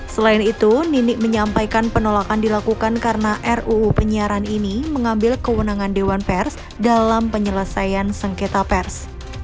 selain itu ninik menyampaikan penolakan dilakukan karena ruu penyiaran ini mengambil kewenangan dewan pers dalam penyelesaian sengketa pers